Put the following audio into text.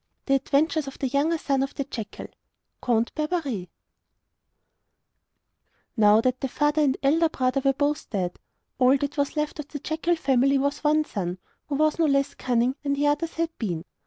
] The Adventures of the Younger Son of the Jackal Now that the father and elder brother were both dead, all that was left of the jackal family was one son, who was no less cunning than the others had been.